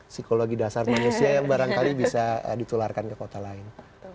psikologi dasar manusia yang barangkali bisa ditularkan ke kota lain